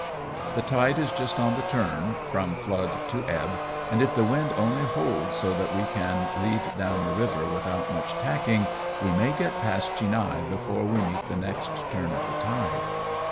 The tide is just on the turn from flood to ebb, and if the wind only holds so that we can lead down the river without much tacking, we may get past Chinhae before we meet the next turn of the tide.